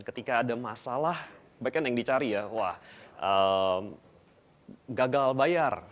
ketika ada masalah back end yang dicari ya wah gagal bayar